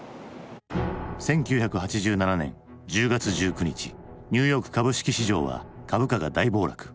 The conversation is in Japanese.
１９８７年１０月１９日ニューヨーク株式市場は株価が大暴落。